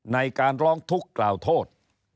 ในการร้องทุกข์กล่าวโทษ